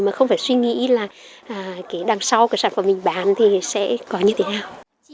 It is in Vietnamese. mà không phải suy nghĩ là đằng sau sản phẩm mình bán thì sẽ có như thế nào